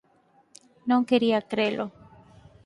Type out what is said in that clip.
Non quería crelo.